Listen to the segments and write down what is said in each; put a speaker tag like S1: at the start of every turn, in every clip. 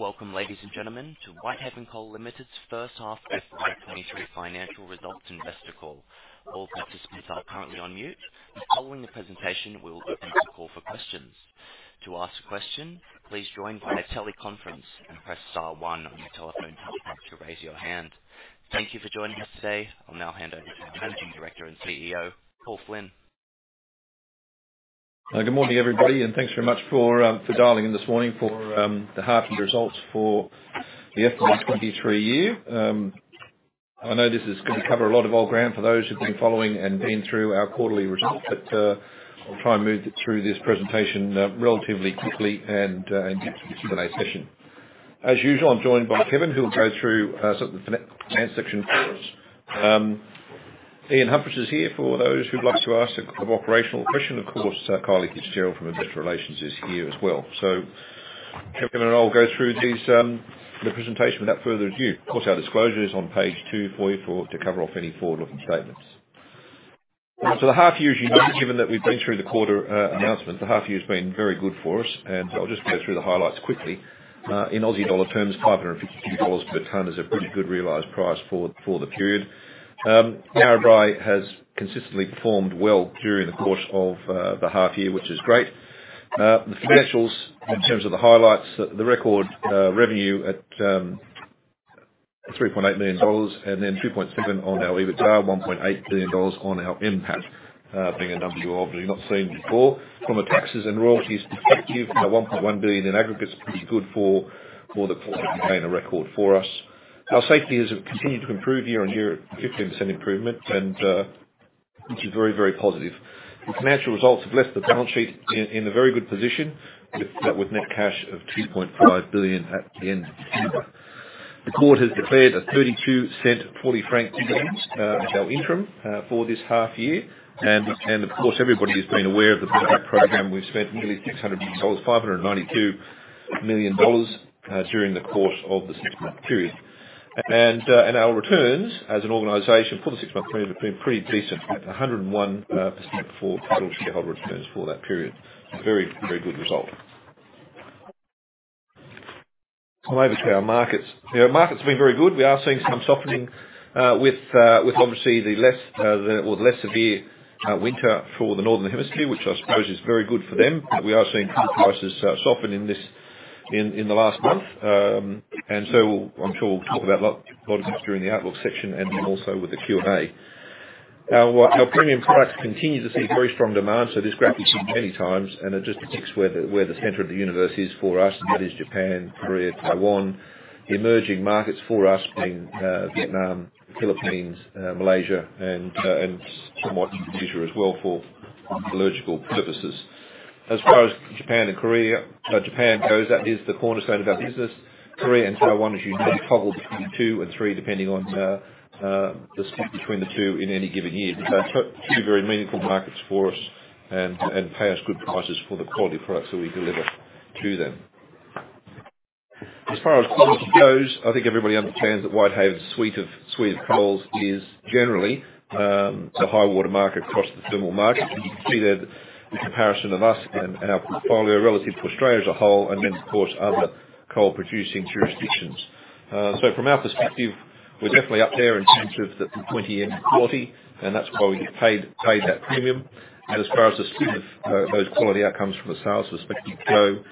S1: Welcome, ladies and gentlemen, to Whitehaven Coal Limited's first half FY 2023 financial results investor call. All participants are currently on mute. Following the presentation, we will open up the call for questions. To ask a question, please join via teleconference and press star one on your telephone keypad to raise your hand. Thank you for joining us today. I'll now hand over to Managing Director and CEO, Paul Flynn.
S2: Good morning, everybody, and thanks very much for dialing in this morning for the half year results for the FY 2023 year. I know this is gonna cover a lot of old ground for those who've been following and been through our quarterly results, but I'll try and move through this presentation relatively quickly and get to the Q&A session. As usual, I'm joined by Kevin, who will go through some of the financial section for us. Ian Humphris is here for those who'd like to ask an operational question. Of course, Kylie FitzGerald from Investor Relations is here as well. Kevin and I will go through these the presentation without further ado. Of course, our disclosure is on page two for you to cover off any forward-looking statements. The half year, as you know, given that we've been through the quarter announcement, the half year has been very good for us. I'll just go through the highlights quickly. In Aussie dollar terms, 552 dollars per tonne is a pretty good realized price for the period. Narrabri has consistently performed well during the course of the half year, which is great. The financials in terms of the highlights, the record revenue at 3.8 million dollars and then 2.7 on our EBITDA, 1.8 billion dollars on our NPAT, being a number you obviously have not seen before. From a taxes and royalties perspective, 1.1 billion in aggregate is pretty good for the quarter and a record for us. Our safety has continued to improve year on year at 15% improvement, and which is very, very positive. The financial results have left the balance sheet in a very good position with net cash of 2.5 billion at the end of December. The Board has declared an 0.32, 40 frank dividend as our interim for this half year. Of course, everybody has been aware of the buyback program. We've spent nearly 600 million dollars, 592 million dollars during the course of the six-month period. Our returns as an organization for the six-month period have been pretty decent, 101% for total shareholder returns for that period. Very, very good result. Over to our markets. You know, markets have been very good. We are seeing some softening with obviously the less or the less severe winter for the northern hemisphere, which I suppose is very good for them. We are seeing coal prices soften in this, in the last month. I'm sure we'll talk about a lot of this during the outlook section and then also with the Q&A. Our premium products continue to see very strong demand. This graph you've seen many times, and it just depicts where the center of the universe is for us, and that is Japan, Korea, Taiwan. The emerging markets for us being Vietnam, Philippines, Malaysia and somewhat future as well for geological purposes. As far as Japan and Korea, Japan goes, that is the cornerstone of our business. Korea and Taiwan, as you know, toggle between two and three depending on the split between the two in any given year. They're two very meaningful markets for us and pay us good prices for the quality products that we deliver to them. As far as quality goes, I think everybody understands that Whitehaven's suite of coals is generally the high water mark across the thermal market. You can see there the comparison of us and our portfolio relative to Australia as a whole and then, of course, other coal producing jurisdictions. From our perspective, we're definitely up there in terms of the 20 and 40, and that's why we get paid that premium. As far as the split of those quality outcomes from the sales perspective go,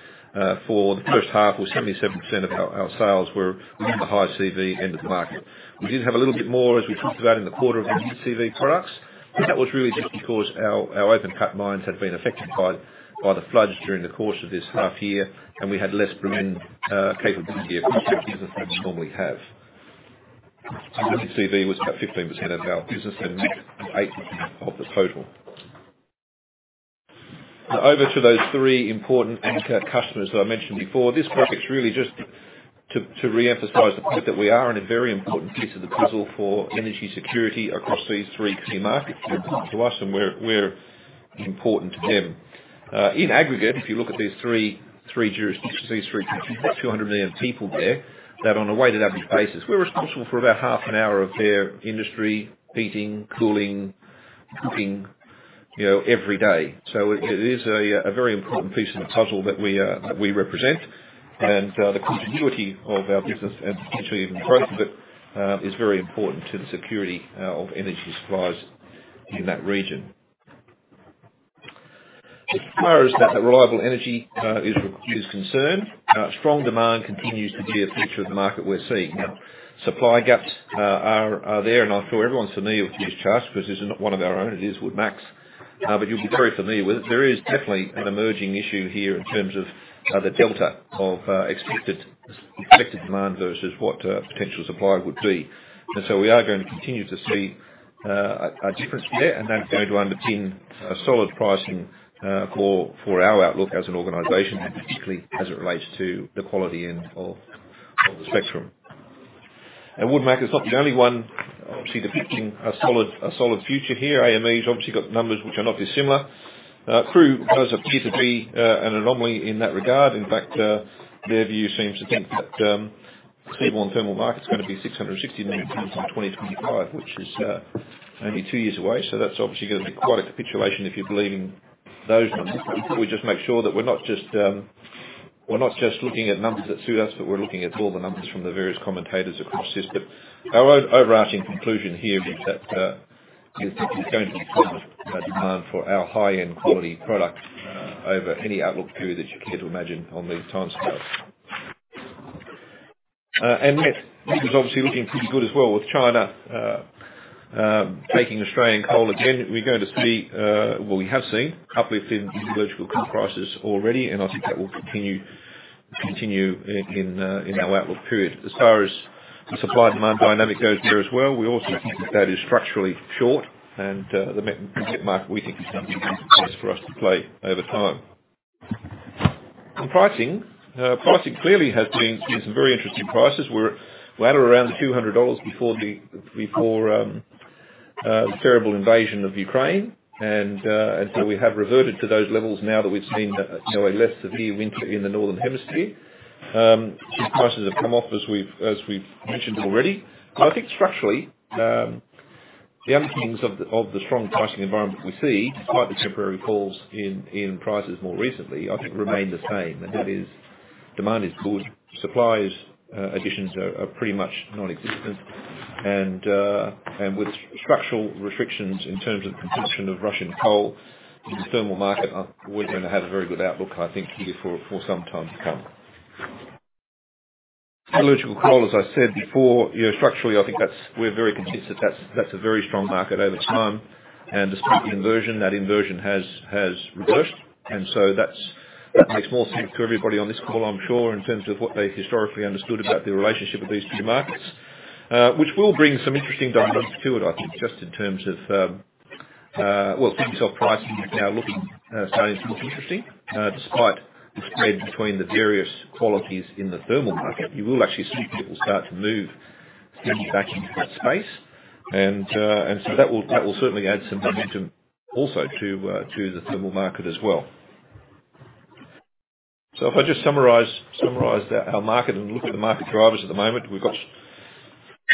S2: for the first half or 77% of our sales were in the high CV end of the market. We did have a little bit more, as we talked about in the quarter, of medium CV products, but that was really just because our open cut mines had been affected by the floods during the course of this half year, and we had less marine capability across the business than we normally have. Medium CV was about 15% of our business and 8% of the total. Over to those three important end customers that I mentioned before. This graphic's really just to re-emphasize the point that we are in a very important piece of the puzzle for energy security across these three key markets who are important to us, and we're important to them. In aggregate, if you look at these three jurisdictions, these three countries, that's 200 million people there, that on a weighted average basis, we're responsible for about half an hour of their industry, heating, cooling, cooking, you know, every day. It is a very important piece in the puzzle that we represent. The continuity of our business and potentially even growth of it is very important to the security of energy supplies in that region. As far as that reliable energy is concerned, strong demand continues to be a feature of the market we're seeing. Supply gaps are there, and I'm sure everyone's familiar with this chart because this is not one of our own. It is WoodMac's. You'll be very familiar with it. There is definitely an emerging issue here in terms of the delta of expected demand versus what potential supply would be. We are going to continue to see a difference there, and that's going to underpin a solid pricing for our outlook as an organization, particularly as it relates to the quality end of the spectrum. WoodMac is not the only one obviously depicting a solid future here. BMA's obviously got numbers which are not dissimilar. CRU does have G2B an anomaly in that regard. Their view seems to think that steam and thermal market's gonna be 660 million tons in 2025, which is only two years away. That's obviously gonna be quite a capitulation if you're believing those numbers. We just make sure that we're not just, we're not just looking at numbers that suit us, but we're looking at all the numbers from the various commentators across system. Our own overarching conclusion here is that we think there's going to be strong demand for our high-end quality product over any outlook period that you care to imagine on these time scales. Met, this is obviously looking pretty good as well with China taking Australian coal again. We're going to see what we have seen, uplift in metallurgical coal prices already, and I think that will continue in our outlook period. As far as the supply and demand dynamic goes there as well, we also think that that is structurally short and the met market we think is going to be a place for us to play over time. In pricing clearly has been some very interesting prices. We had around the 200 dollars before the, before the terrible invasion of Ukraine. We have reverted to those levels now that we've seen, you know, a less severe winter in the northern hemisphere. These prices have come off as we've mentioned already. I think structurally, the underpinnings of the strong pricing environment we see, despite the temporary falls in prices more recently, I think remain the same. That is, demand is good, supply is, additions are pretty much non-existent. With structural restrictions in terms of the consumption of Russian coal in the thermal market, we're gonna have a very good outlook, I think, here for some time to come. Metallurgical coal, as I said before, you know, structurally, I think we're very convinced that that's a very strong market over time. The spot inversion, that inversion has reversed. That's, that makes more sense to everybody on this call, I'm sure, in terms of what they historically understood about the relationship of these two markets. Which will bring some interesting dynamics to it, I think, just in terms of, well, diesel pricing now looking starting to look interesting. Despite the spread between the various qualities in the thermal market, you will actually see people start to move back into that space. That will certainly add some momentum also to the thermal market as well. If I just summarize our market and look at the market drivers at the moment, we've got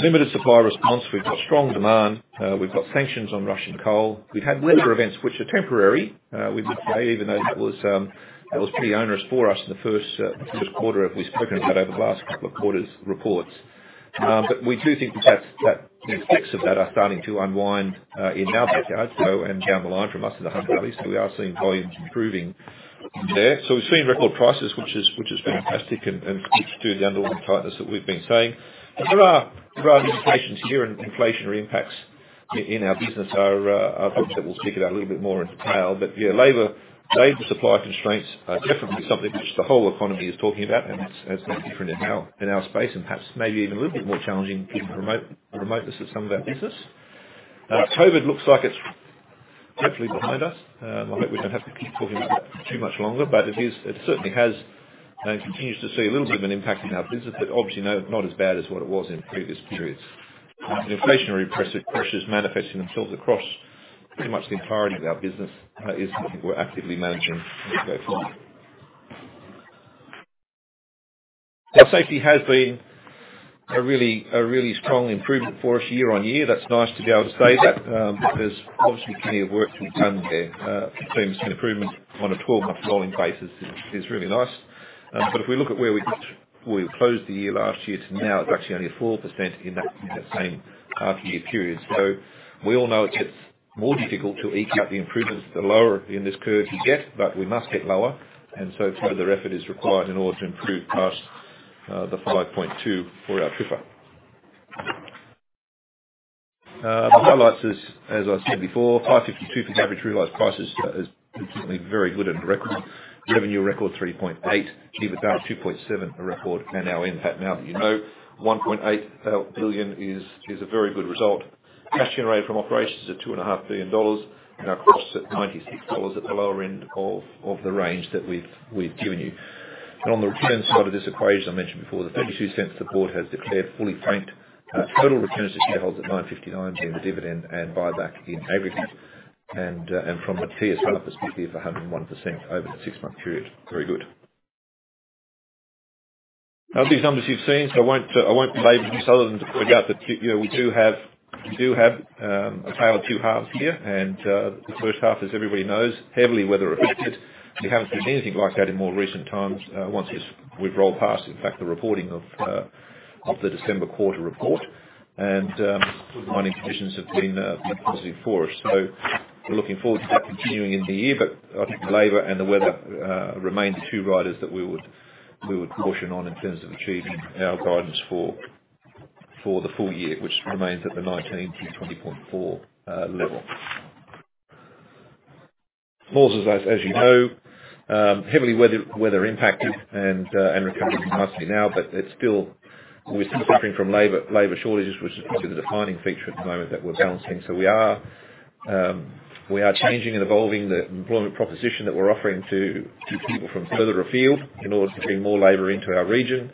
S2: limited supply response, we've got strong demand, we've got sanctions on Russian coal. We've had weather events which are temporary, we'd say, even though that was pretty onerous for us in the first quarter. We've spoken about over the last couple of quarters' reports. We do think that, you know, effects of that are starting to unwind in our backyard, and down the line from us in the Hunter Valley. We are seeing volumes improving there. We've seen record prices, which is fantastic and it's due to the underlying tightness that we've been seeing. There are indications here and inflationary impacts in our business are things that we'll speak about a little bit more in detail. Yeah, labor supply constraints are definitely something which the whole economy is talking about, and it's no different in our space, and perhaps maybe even a little bit more challenging given the remoteness of some of our business. COVID looks like it's hopefully behind us. I hope we don't have to keep talking about it too much longer. It is, it certainly has, continues to see a little bit of an impact in our business, but obviously not as bad as what it was in previous periods. The inflationary pressures manifesting themselves across pretty much the entirety of our business, is something we're actively managing as we go forward. Our safety has been a really strong improvement for us year-on-year. That's nice to be able to say that, because obviously plenty of work's been done there. To have seen improvement on a 12-month rolling basis is really nice. If we look at where we closed the year last year to now, it's actually only a 4% in that same half-year period. We all know it gets more difficult to eke out the improvements the lower in this curve you get, but we must get lower. Further effort is required in order to improve past the 5.2 for our TRIFR. The highlights is, as I said before, 552 for average realized prices is certainly very good and a record. Revenue record 3.8 billion. EBITDA 2.7 billion, a record. Our NPAT, now that you know, 1.8 billion is a very good result. Cash generated from operations is at 2.5 billion dollars. Our costs at 96 dollars at the lower end of the range that we've given you. On the return side of this equation, as I mentioned before, 0.32 the board has declared fully franked. Total returns to shareholders at 959 between the dividend and buyback in aggregate. From a TS owner perspective, 101% over the six-month period. Very good. Now these numbers you've seen, so I won't, I won't labor this other than to point out that you know, we do have, we do have, a tale of two halves here. The first half, as everybody knows, heavily weather affected. We haven't seen anything like that in more recent times, once this, we've rolled past, in fact, the reporting of the December quarter report. Mining conditions have been positive for us. We're looking forward to that continuing in the year, but I think labor and the weather remain the two riders that we would caution on in terms of achieving our guidance for the full year, which remains at the 19-20.4 level. Maules Creek, as you know, heavily weather impacted and recovering nicely now, but we're still suffering from labor shortages, which is probably the defining feature at the moment that we're balancing. We are changing and evolving the employment proposition that we're offering to people from further afield in order to bring more labor into our region.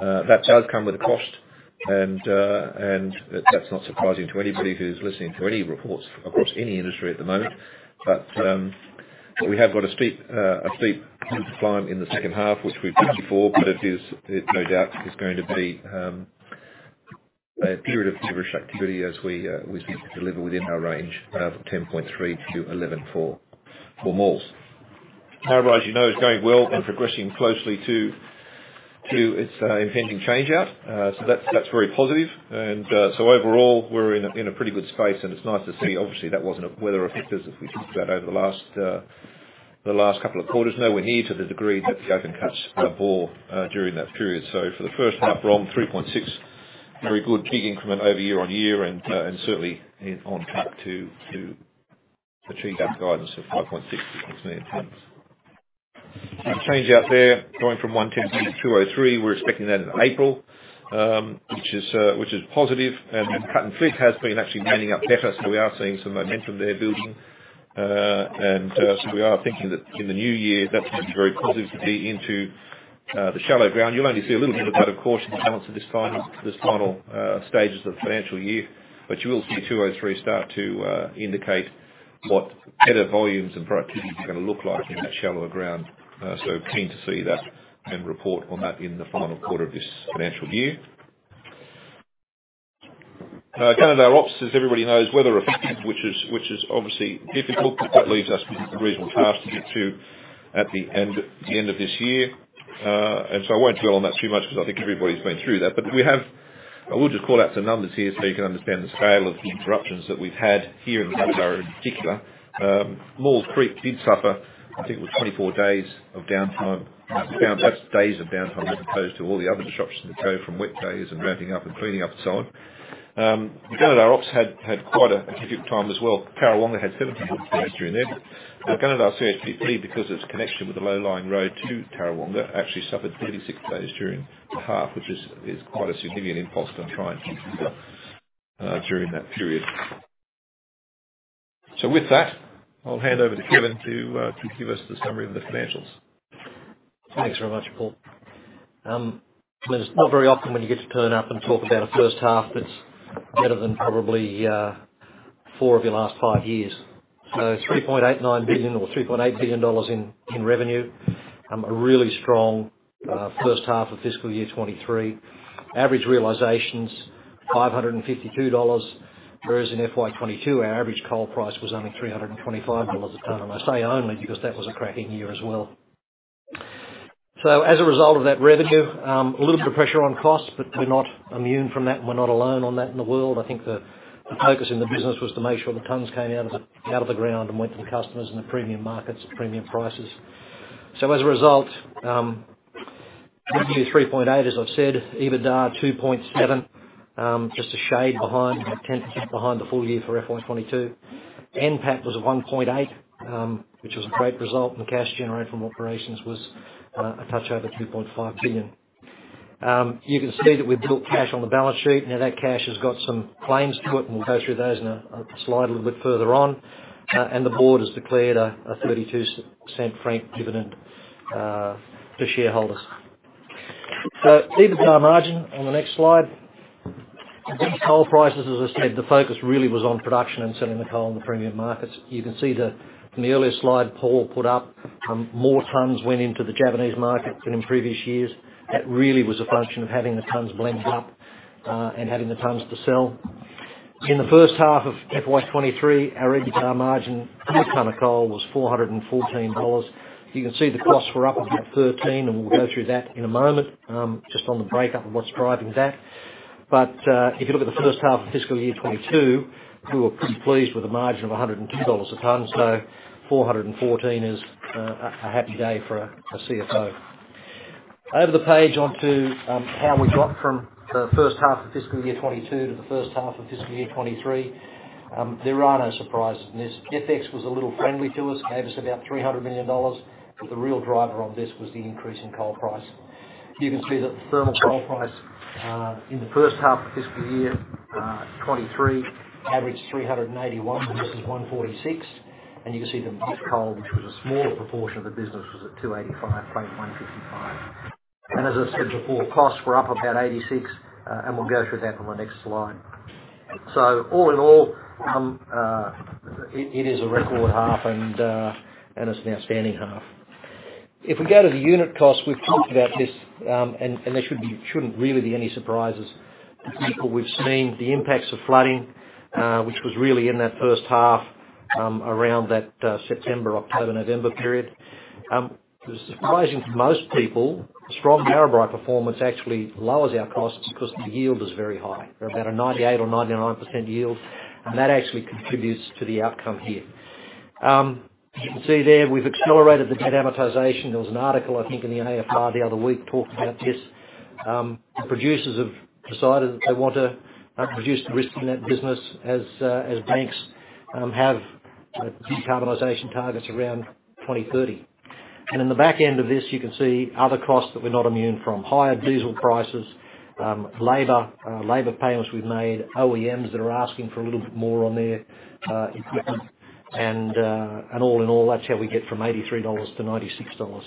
S2: That does come with a cost. That's not surprising to anybody who's listening to any reports across any industry at the moment. We have got a steep decline in the second half, which we've told you before, but it is, no doubt, is going to be a period of vigorous activity as we, as we deliver within our range of 10.3-11.4 Mt for Maules Creek. Narrabri, you know, is going well and progressing closely to its impending change out. So that's very positive. Overall, we're in a pretty good space, and it's nice to see. Obviously, that wasn't a weather effect, as if we talked about over the last couple of quarters. Nowhere near to the degree that the open cuts bore during that period. For the first half, ROM, 3.6, very good, big increment over year-on-year and certainly on track to achieve our guidance of 5.6 million tons. Change out there, going from 110 to 203, we're expecting that in April, which is positive. Cut and flit has been actually mining up better, so we are seeing some momentum there building. We are thinking that in the new year, that's going to be very positive to be into the shallow ground. You'll only see a little bit of that, of course, in the balance of this final stages of the financial year. You will see 203 start to indicate what better volumes and productivity is gonna look like in that shallower ground. Keen to see that and report on that in the final quarter of this financial year. Gunnedah Ops, as everybody knows, weather affected, which is obviously difficult. That leaves us with a reasonable task to at the end of this year. I won't dwell on that too much because I think everybody's been through that. I will just call out some numbers here so you can understand the scale of the interruptions that we've had here in Gunnedah in particular. Maules Creek did suffer, I think it was 24 days of downtime. That's days of downtime, as opposed to all the other disruptions that go from wet days and ramping up and cleaning up and so on. Gunnedah Ops had quite a difficult time as well. Tarrawonga had 74 days during there. Gunnedah CSP3, because of its connection with the low-lying road to Tarrawonga, actually suffered 36 days during the half, which is quite a significant impost on trying to keep it up during that period. With that, I'll hand over to Kevin to give us the summary of the financials.
S3: Thanks very much, Paul. Well, it's not very often when you get to turn up and talk about a first half that's better than probably, four of your last five years. 3.89 billion or 3.8 billion dollars in revenue. A really strong, first half of fiscal year 2023. Average realizations, 552 dollars, whereas in FY 2022, our average coal price was only 325 dollars a ton. I say only because that was a cracking year as well. As a result of that revenue, a little bit of pressure on costs, but we're not immune from that, and we're not alone on that in the world. I think the focus in the business was to make sure the tons came out of the ground and went to the customers in the premium markets at premium prices. As a result, revenue 3.8 billion, as I've said, EBITDA 2.7 billion, just a shade behind, a tenth behind the full year for FY 2022. NPAT was at 1.8 billion, which was a great result. The cash generated from operations was a touch over 2.5 billion. You can see that we've built cash on the balance sheet. Now, that cash has got some claims to it. We'll go through those in a slide a little bit further on. The board has declared a 0.32 frank dividend to shareholders. EBITDA margin on the next slide. With these coal prices, as I said, the focus really was on production and selling the coal in the premium markets. You can see that from the earlier slide Paul put up, more tons went into the Japanese market than in previous years. That really was a function of having the tons blended up, and having the tons to sell. In the first half of FY 2023, our EBITDA margin in the ton of coal was 414 dollars. You can see the costs were up about 13, and we'll go through that in a moment, just on the breakup of what's driving that. If you look at the first half of fiscal year 2022, we were pretty pleased with a margin of 102 dollars a ton, 414 is a happy day for a CFO. Over the page onto how we got from the first half of fiscal year 2022 to the first half of fiscal year 2023. There are no surprises in this. FX was a little friendly to us, gave us about 300 million dollars, the real driver on this was the increase in coal price. You can see that the thermal coal price in the first half of fiscal year 2023 averaged 381 versus 146, you can see the coking coal, which was a smaller proportion of the business, was at 285 frank AUD 155. As I said before, costs were up about 86, and we'll go through that on the next slide. All in all, it is a record half and it's an outstanding half. If we go to the unit cost, we've talked about this, and there shouldn't really be any surprises. We've seen the impacts of flooding, which was really in that first half, around that September, October, November period. What's surprising for most people, strong Narrabri performance actually lowers our costs because the yield is very high. They're about a 98% or 99% yield, and that actually contributes to the outcome here. You can see there, we've accelerated the debt amortization. There was an article, I think, in the AFR the other week talking about this. The producers have decided that they want to reduce the risk in that business as banks have, you know, decarbonization targets around 2030. In the back end of this, you can see other costs that we're not immune from. Higher diesel prices, labor payments we've made, OEMs that are asking for a little bit more on their equipment and all in all, that's how we get from 83 dollars to 96 dollars.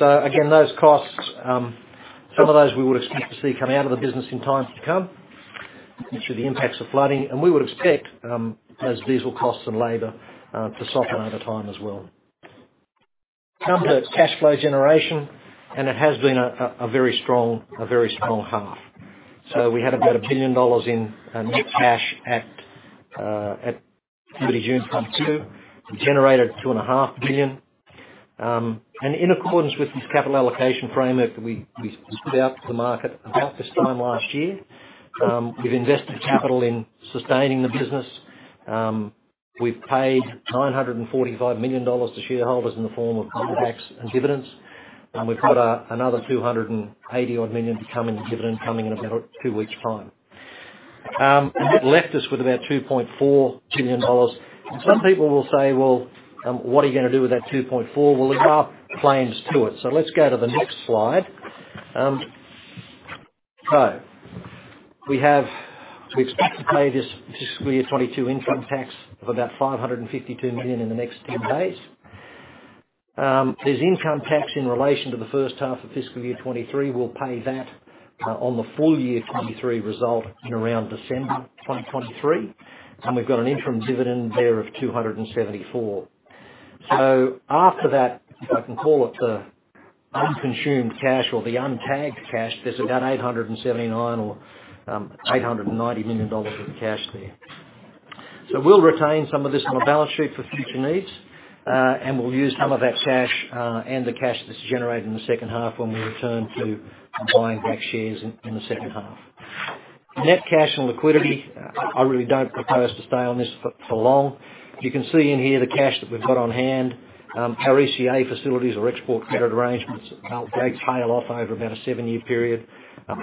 S3: Again, those costs, some of those we would expect to see come out of the business in time to come due to the impacts of flooding. We would expect those diesel costs and labor to soften over time as well. Come to cash flow generation, and it has been a very strong half. We had about 1 billion dollars in net cash at June 30 2022. We generated 2.5 Billion. In accordance with this capital allocation framework that we put out to the market about this time last year, we've invested capital in sustaining the business. We've paid 945 million dollars to shareholders in the form of tax and dividends. We've got another 280 odd million coming in dividend coming in about two weeks' time. It left us with about 2.4 trillion dollars. Some people will say, Well, what are you gonna do with that 2.4 trillion? Well, there's no claims to it. Let's go to the next slide. We expect to pay this fiscal year 2022 income tax of about 552 million in the next few days. There's income tax in relation to the first half of fiscal year 2023. We'll pay that on the full year 2023 result in around December 2023. We've got an interim dividend there of 274 million. After that, if I can call it the unconsumed cash or the untagged cash, there's about 879 million or 890 million dollars of cash there. We'll retain some of this on the balance sheet for future needs, and we'll use some of that cash, and the cash that's generated in the second half when we return to buying back shares in the second half. Net cash and liquidity, I really don't propose to stay on this for long. You can see in here the cash that we've got on hand, our ECA facilities or export credit arrangements tail off over about a seven-year period.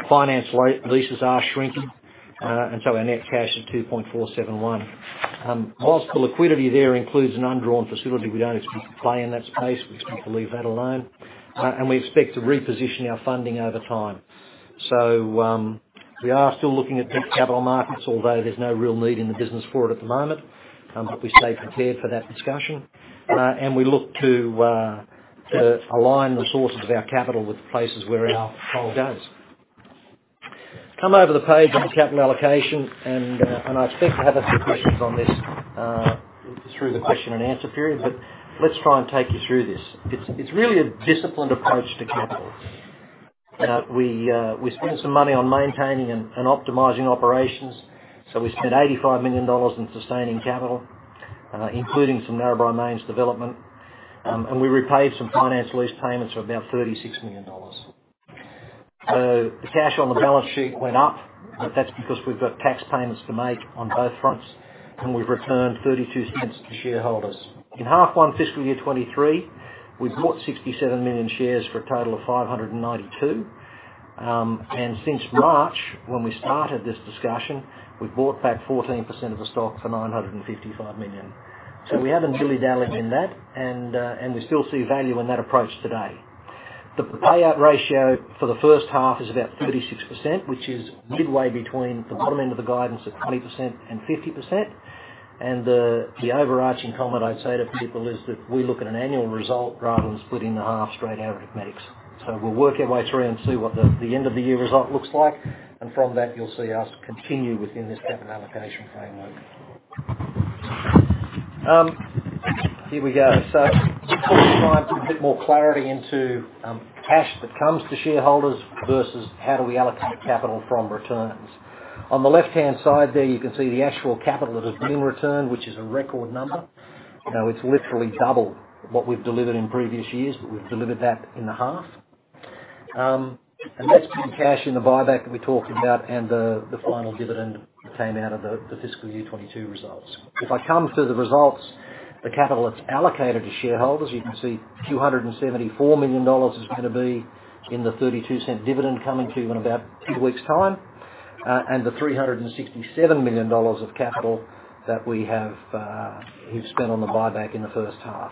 S3: Finance leases are shrinking, our net cash is 2.471. Whilst the liquidity there includes an undrawn facility, we don't expect to play in that space. We expect to leave that alone. We expect to reposition our funding over time. We are still looking at capital markets, although there's no real need in the business for it at the moment. We stay prepared for that discussion, and we look to align the sources of our capital with the places where our coal goes. Come over the page on capital allocation and I expect to have a few questions on this, through the question and answer period. Let's try and take you through this. It's really a disciplined approach to capital. We spent some money on maintaining and optimizing operations. We spent 85 million dollars in sustaining capital, including some Narrabri mine's development. We repaid some finance lease payments of about 36 million dollars. The cash on the balance sheet went up. That's because we've got tax payments to make on both fronts, and we've returned 0.32 to shareholders. In half one fiscal year 2023, we bought 67 million shares for a total of 592 million. Since March, when we started this discussion, we've bought back 14% of the stock for 955 million. We haven't dilly-dallied in that, and we still see value in that approach today. The payout ratio for the first half is about 36%, which is midway between the bottom end of the guidance of 20% and 50%. The overarching comment I'd say to people is that we look at an annual result rather than splitting the half straight arithmetics. We'll work our way through and see what the end of the year result looks like. From that, you'll see us continue within this capital allocation framework. Here we go. Trying to put a bit more clarity into cash that comes to shareholders versus how do we allocate capital from returns. On the left-hand side there, you can see the actual capital that has been returned, which is a record number. You know, it's literally double what we've delivered in previous years, but we've delivered that in the half. And that's been cash in the buyback that we talked about and the final dividend that came out of the fiscal year 2022 results. If I come to the results, the capital that's allocated to shareholders, you can see 274 million dollars is gonna be in the 0.32 dividend coming to you in about two weeks' time, and the 367 million dollars of capital that we have, we've spent on the buyback in the first half.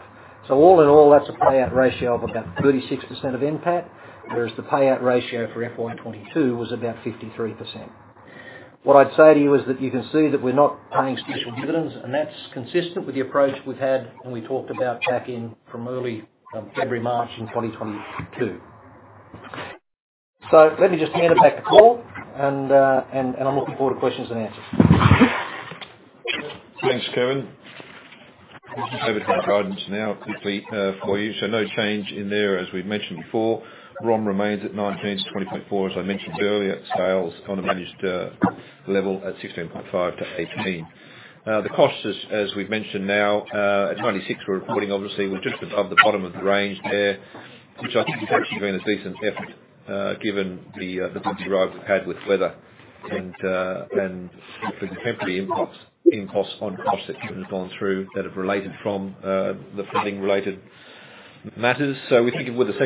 S3: All in all, that's a payout ratio of about 36% of NPAT, whereas the payout ratio for FY 2022 was about 53%. What I'd say to you is that you can see that we're not paying special dividends, and that's consistent with the approach we've had when we talked about back in from early February, March in 2022. Let me just hand it back to Paul and I'm looking forward to questions and answers.
S2: Thanks, Kevin. Over to guidance now, quickly for you. No change in there, as we've mentioned before. ROM remains at 19-20.4, as I mentioned earlier. Sales on a managed level at 16.5-18. The costs, as we've mentioned now, at 26, we're reporting obviously we're just above the bottom of the range there, which I think has actually been a decent effort given the bumps we've had with weather and the temporary impacts on costs that we've gone through that have related from the flooding related matters. We think with the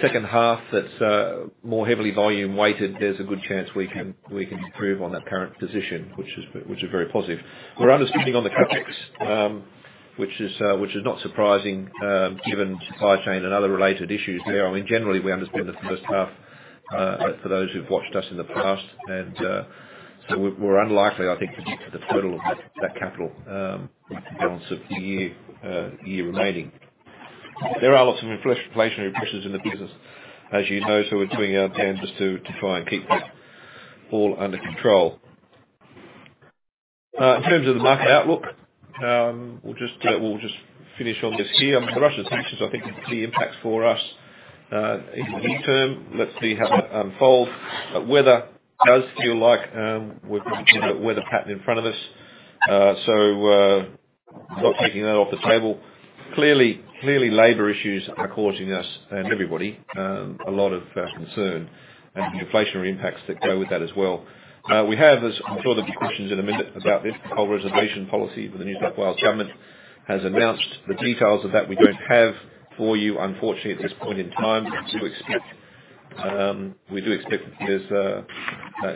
S2: second half that's more heavily volume weighted, there's a good chance we can improve on that current position, which is very positive. We're underspending on the CapEx, which is not surprising, given supply chain and other related issues there. I mean, generally, we underspend the first half, for those who've watched us in the past. We're unlikely, I think, to get to the total of that capital, balance of the year remaining. There are lots of inflationary pressures in the business, as you know, so we're doing our damnedest to try and keep that all under control. In terms of the market outlook, we'll just finish on this here. I mean, the Russia sanctions I think are the impact for us in the near term. Let's see how that unfolds. Weather does feel like we've got a better weather pattern in front of us. Not taking that off the table. Clearly labor issues are causing us and everybody, a lot of concern and the inflationary impacts that go with that as well. I'm sure there'll be questions in a minute about this whole reservation policy with the New South Wales government, has announced the details of that. We don't have for you unfortunately at this point in time. We do expect there's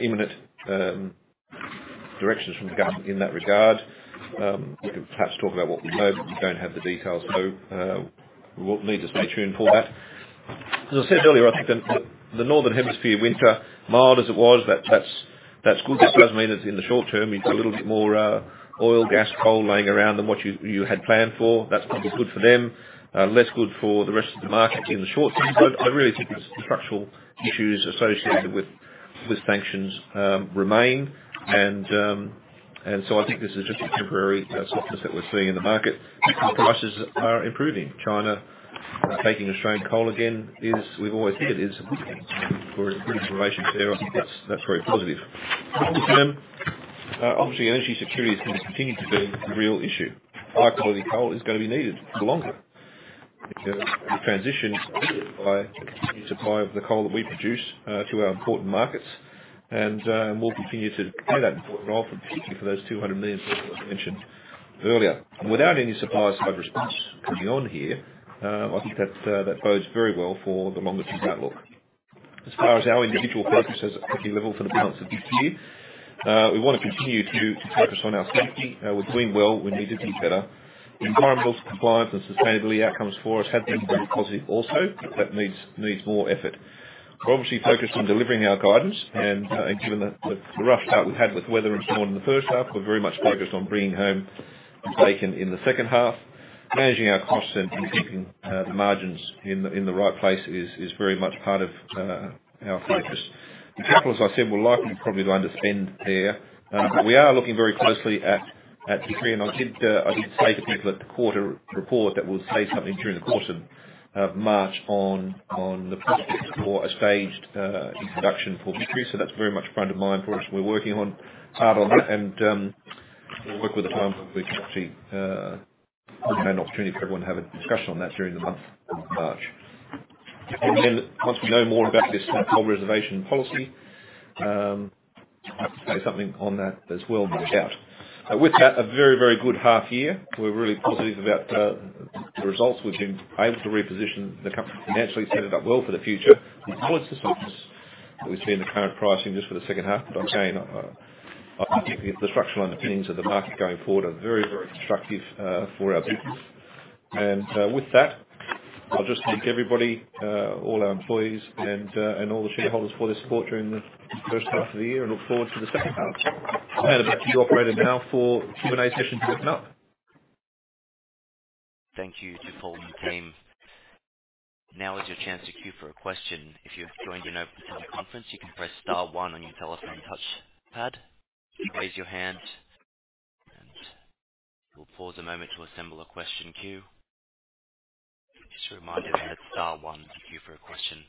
S2: imminent directions from the government in that regard. We can perhaps talk about what we know. We don't have the details, we'll need to stay tuned for that. As I said earlier, I think the Northern Hemisphere winter, mild as it was, that's good. That does mean that in the short term you've got a little bit more oil, gas, coal laying around than what you had planned for. That's probably good for them. Less good for the rest of the market in the short term. I really think the structural issues associated with sanctions remain. I think this is just a temporary softness that we're seeing in the market. Prices are improving. China taking Australian coal again is... We've always think it is for information fair. That's very positive. Long term, obviously energy security is gonna continue to be a real issue. High quality coal is gonna be needed for longer. The transition by supply of the coal that we produce to our important markets. We'll continue to play that important role, particularly for those 200 million people I mentioned earlier. Without any supplier side response coming on here, I think that bodes very well for the longer-term outlook. As far as our individual focuses at company level for the balance of this year, we wanna continue to focus on our safety. We're doing well. We need to do better. Environmental compliance and sustainability outcomes for us have been very positive also. That needs more effort. We're obviously focused on delivering our guidance, and given the rough start we've had with weather and so on in the first half, we're very much focused on bringing home bacon in the second half. Managing our costs and keeping the margins in the right place is very much part of our focus. The capital, as I said, we're likely probably to underspend there. We are looking very closely at Pit Creek. I did say to people at the quarter report that we'll say something during the course of March on the prospects for a staged introduction for Pit Creek. That's very much front of mind for us. We're working hard on that. We'll work with the timeline, which actually present an opportunity for everyone to have a discussion on that during the month of March. Then once we know more about this coal reservation policy, I have to say something on that as well, no doubt. With that, a very, very good half year. We're really positive about the results. We've been able to reposition the company financially, set it up well for the future. We look forward to some of the improvements that we see in the current pricing just for the second half. I'm saying, I think the structural underpinnings of the market going forward are very, very constructive for our business. With that, I'll just thank everybody, all our employees and all the shareholders for their support during the first half of the year and look forward to the second half. I'll hand back to the operator now for Q&A session to open up.
S1: Thank you to Paul and the team. Now is your chance to queue for a question. If you've joined in over the phone conference, you can press star one on your telephone touch pad, raise your hand, and we'll pause a moment to assemble a question queue. Just a reminder, that's star one to queue for a question.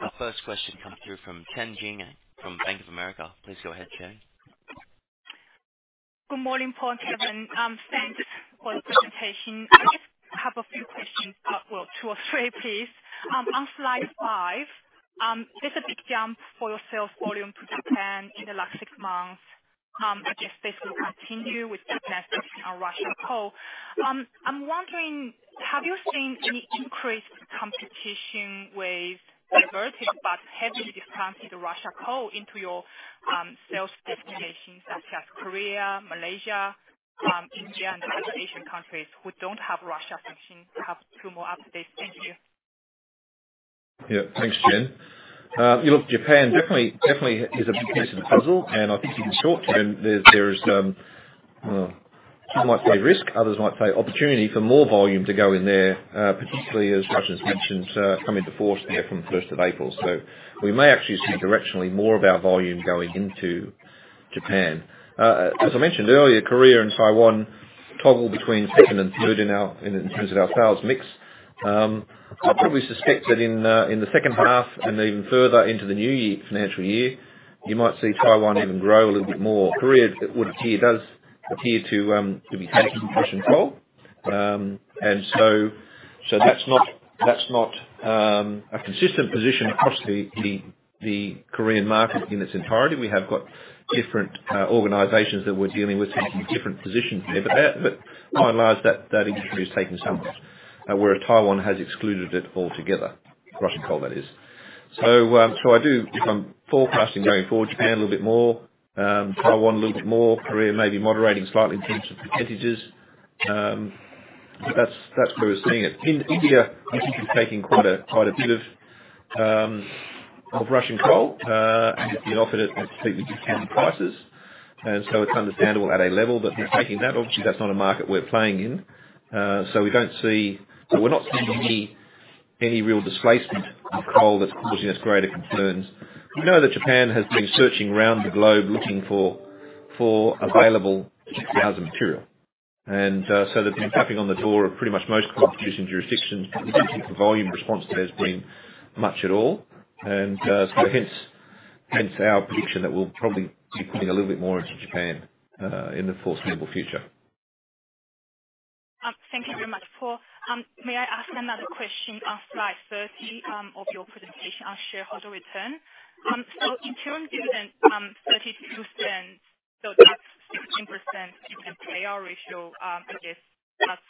S1: Our first question comes through from Chen Jiang from Bank of America. Please go ahead, Chen.
S4: Good morning, Paul and Kevin. Thanks for the presentation. I just have a few questions. Well, two or three, please. On slide five, there's a big jump for your sales volume to Japan in the last six months. I guess this will continue with the sanctions on Russian coal. I'm wondering, have you seen any increased competition with diverted but heavily discounted Russian coal into your sales destinations such as Korea, Malaysia, India, and other Asian countries who don't have Russia sanctions? Perhaps two more updates. Thank you.
S2: Yeah. Thanks, Chen. Look, Japan definitely is a big piece of the puzzle. I think in the short term there is some might say risk, others might say opportunity for more volume to go in there, particularly as Russia's sanctions come into force there from the first of April. We may actually see directionally more of our volume going into Japan. As I mentioned earlier, Korea and Taiwan toggle between second and third in our in terms of our sales mix. I probably suspect that in the second half and even further into the new financial year, you might see Taiwan even grow a little bit more. Korea does appear to be taking Russian coal. That's not a consistent position across the Korean market in its entirety. We have got different organizations that we're dealing with taking different positions there. By and large that industry is taking some of it. Whereas Taiwan has excluded it altogether. Russian coal that is. I do, if I'm forecasting going forward, Japan a little bit more, Taiwan a little bit more. Korea may be moderating slightly in terms of percentages. That's where we're seeing it. In India, I think it's taking quite a bit of Russian coal, and it's being offered at completely discounted prices. It's understandable at a level that they're taking that. Obviously, that's not a market we're playing in, we don't see. We're not seeing any real displacement of coal that's causing us greater concerns. We know that Japan has been searching around the globe looking for available coking coal as a material. They've been tapping on the door of pretty much most competition jurisdictions. I don't think the volume response to that has been much at all. Hence, our prediction that we'll probably keep putting a little bit more into Japan in the foreseeable future.
S4: Thank you very much, Paul. May I ask another question on slide 30 of your presentation on shareholder return? In terms of dividend, AUD 0.32, that's 16% dividend payout ratio. I guess that's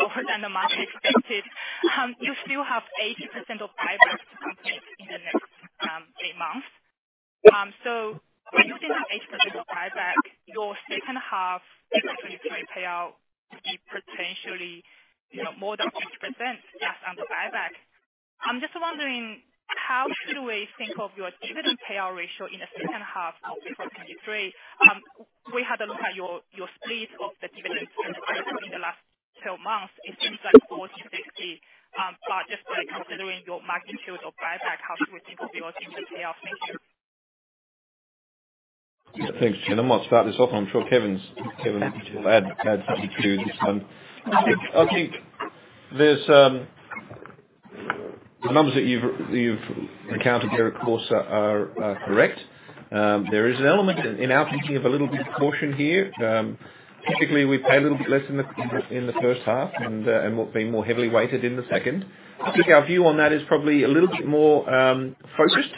S4: lower than the market expected. You still have 80% of buyback to complete in the next eight months. When you still have 80% of buyback, your second half FY 2023 payout could be potentially, you know, more than 50% just on the buyback. I'm just wondering how should we think of your dividend payout ratio in the second half of FY 2023? We had a look at your split of the dividends and buyback in the last 12 months. It seems like 40/60.Just by considering your magnitude of buyback, how should we think of your dividend payout? Thank you.
S2: Thanks, Jen. I might start this off, and I'm sure Kevin will add something to this. I think there's the numbers that you've accounted there, of course, are correct. There is an element in our thinking of a little bit of caution here. Typically, we pay a little bit less in the first half and we've been more heavily weighted in the second. I think our view on that is probably a little bit more focused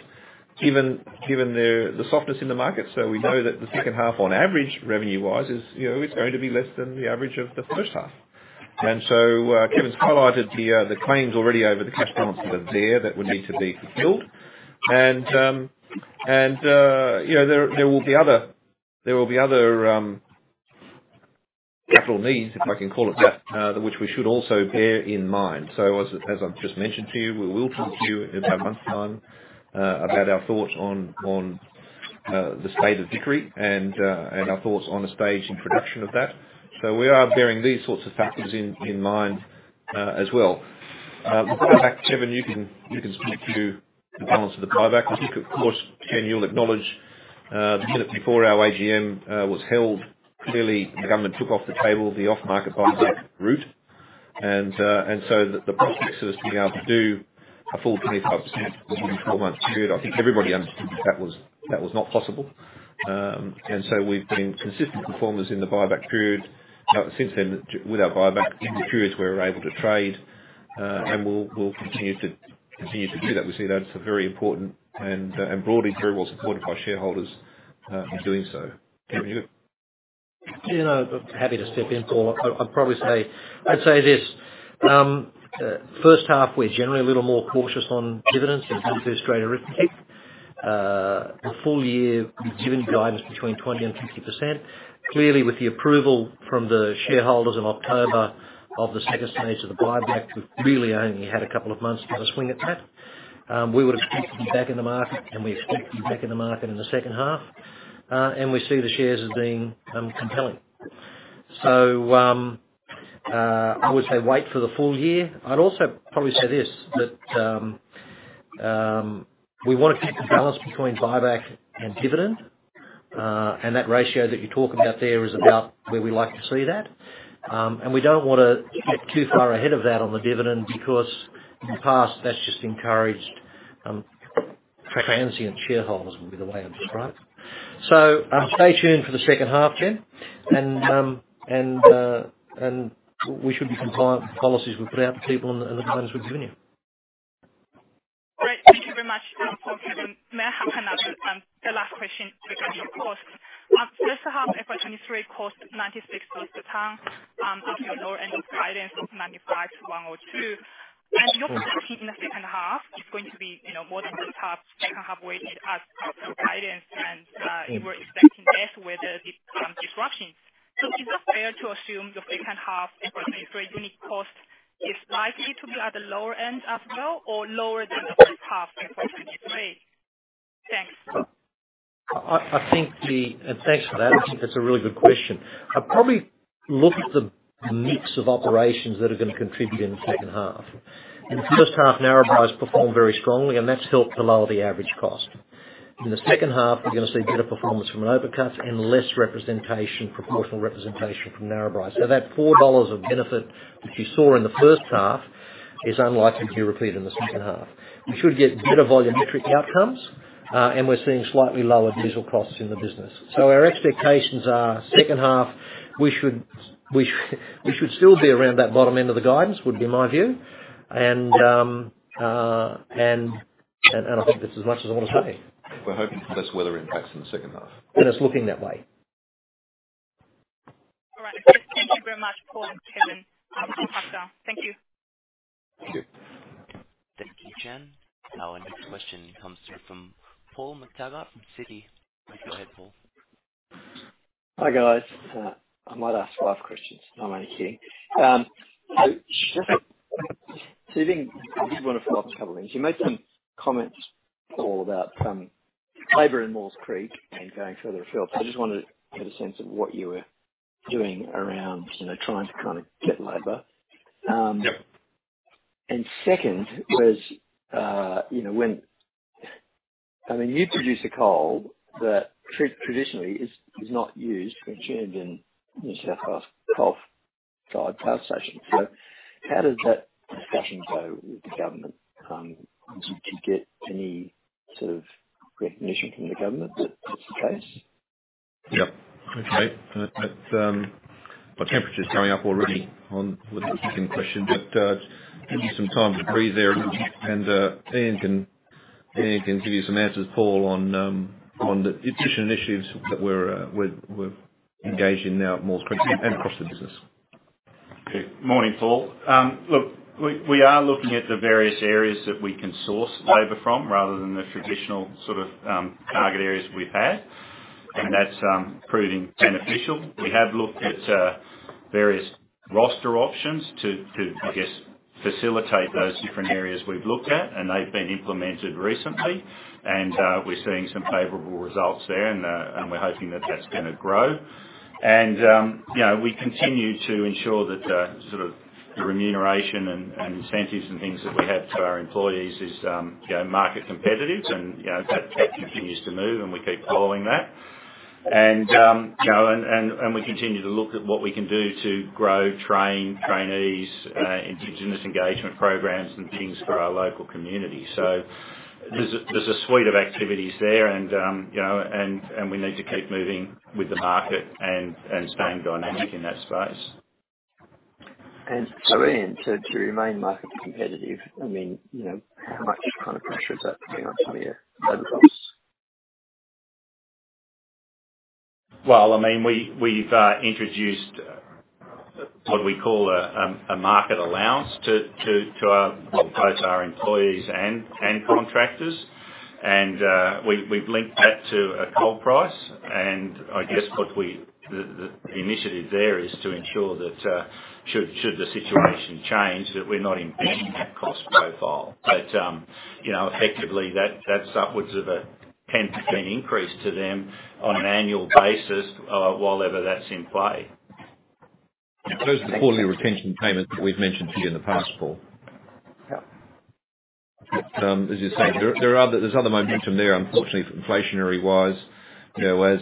S2: given the softness in the market. We know that the second half on average, revenue-wise, is, you know, going to be less than the average of the first half. Kevin's highlighted the claims already over the cash balance that are there that would need to be fulfilled. You know, there will be other capital needs, if I can call it that, which we should also bear in mind. As I, as I've just mentioned to you, we will talk to you in about a month's time about our thoughts on the state of Vickery and our thoughts on the stage and production of that. We are bearing these sorts of factors in mind as well. With that, Kevin, you can speak to the balance of the buyback. Which of course, Jen, you'll acknowledge, the minute before our AGM was held, clearly the government took off the table the off-market buyback route. The prospects of us being able to do a full 25% within the 12-month period, I think everybody understood that was not possible. We've been consistent performers in the buyback period. Since then, with our buyback in the periods we're able to trade, and we'll continue to do that. We see that's a very important and broadly very well supported by shareholders in doing so. Over to you.
S3: No, happy to step in, Paul. I'd probably say, I'd say this. First half, we're generally a little more cautious on dividends in FY 2023. The full year, we've given guidance between 20% and 50%. Clearly, with the approval from the shareholders in October of the second stage of the buyback, we've really only had a couple of months to get a swing at that. We would expect to be back in the market, and we expect to be back in the market in the second half. We see the shares as being compelling. I would say wait for the full year. I'd also probably say this, that, we wanna keep the balance between buyback and dividend. That ratio that you talk about there is about where we like to see that. We don't wanna get too far ahead of that on the dividend because in the past that's just encouraged transient shareholders, would be the way I'd describe it. Stay tuned for the second half, Jen. We should be compliant with the policies we put out to people and the guidance we've given you.
S4: Great. Thank you very much, Paul and Kevin. May I have another, the last question regarding your costs? First half FY 2023 cost 96 dollars per ton of your lower end of guidance of 95-102. Your production in the second half is going to be, you know, more than the first half, second half weighted as per your guidance, and you were expecting less weather disruptions. Is it fair to assume your second half FY 2023 unit cost is likely to be at the lower end as well or lower than the first half FY 2023? Thanks.
S3: Thanks for that. I think that's a really good question. I'd probably look at the mix of operations that are gonna contribute in the second half. In the first half, Narrabri's performed very strongly, and that's helped to lower the average cost. In the second half, we're gonna see better performance from an overcut and less representation, proportional representation from Narrabri. That 4 dollars of benefit, which you saw in the first half, is unlikely to be repeated in the second half. We should get better volumetric outcomes, and we're seeing slightly lower diesel costs in the business. Our expectations are second half, we should still be around that bottom end of the guidance, would be my view. I think that's as much as I wanna say.
S2: We're hoping for less weather impacts in the second half.
S3: It's looking that way.
S4: All right. Thank you very much, Paul and Kevin. I'll come back down. Thank you.
S2: Thank you.
S1: Thank you, Jen. Our next question comes through from Paul McTaggart from Citi. Go ahead, Paul.
S5: Hi guys. I might ask five questions. No, I'm only kidding. You think I did wanna follow up a couple things. You made some comments, Paul, about labor in Maules Creek and going further afield. I just wanted to get a sense of what you were doing around, you know, trying to kinda get labor.
S2: Yep.
S5: Second was, you know, I mean, you produce a coal that traditionally is not used, consumed in New South Wales Cove-side power station. How does that discussion go with the Government to get any sort of recognition from the Government that that's the case?
S2: Yep. Okay. My temperature's going up already on with the second question, but give me some time to breathe there, and Ian can give you some answers, Paul, on the efficient issues that we're engaged in now at Maules Creek and across the business.
S6: Okay. Morning, Paul. Look, we are looking at the various areas that we can source labor from rather than the traditional sort of target areas we've had. That's proving beneficial. We have looked at various roster options to, I guess, facilitate those different areas we've looked at, and they've been implemented recently. We're seeing some favorable results there, and we're hoping that that's gonna grow. You know, we continue to ensure that sort of the remuneration and incentives and things that we have to our employees is, you know, market competitive and, you know, that continues to move, and we keep following that. You know, we continue to look at what we can do to grow, train trainees, indigenous engagement programs and things for our local community. There's a suite of activities there and, you know, we need to keep moving with the market and staying dynamic in that space.
S5: Ian, so to remain market competitive, I mean, you know, how much kind of pressure is that putting on some of your labor costs?
S6: Well, I mean, we've introduced what we call a market allowance to our both our employees and contractors. We've linked that to a coal price. I guess what we, the initiative there is to ensure that should the situation change, that we're not impacting that cost profile. You know, effectively that's upwards of a 10% increase to them on an annual basis, while ever that's in play.
S2: Those are the quarterly retention payments that we've mentioned to you in the past, Paul.
S5: Yeah.
S2: As you're saying, there are other, there's other momentum there, unfortunately, inflationary-wise, you know, as